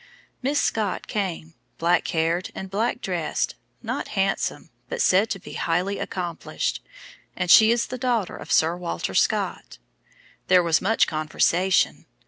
Miss Scott came, black haired and black dressed, not handsome but said to be highly accomplished, and she is the daughter of Sir Walter Scott. There was much conversation.